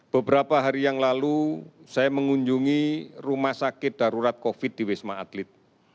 beberapa hari yang lalu saya mengunjungi rumah sakit darurat covid di wisma atlet